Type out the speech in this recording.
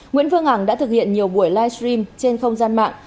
nguyễn phương hằng đã thực hiện nhiều buổi live stream trên không gian mạng